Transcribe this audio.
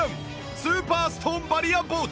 スーパーストーンバリア包丁